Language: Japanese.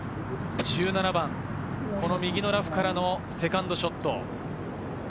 １７番右のラフからのセカンドショット。